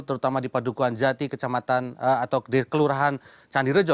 terutama di padukuan jati kecamatan atau di kelurahan candirejo